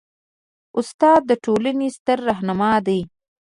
استاد د ټولنې ستر رهنما دی.